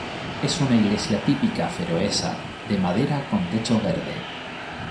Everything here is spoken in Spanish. Es una iglesia típica feroesa de madera con techo verde.